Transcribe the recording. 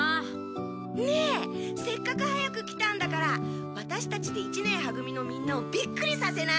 ねえせっかく早く来たんだからワタシたちで一年は組のみんなをビックリさせない？